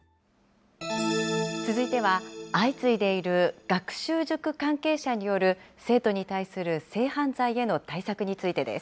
続いては相次いでいる学習塾関係者による、生徒に対する性犯罪への対策についてです。